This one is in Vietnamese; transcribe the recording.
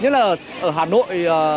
nhất là ở hà nội